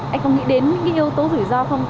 anh có nghĩ đến những cái yếu tố rủi ro không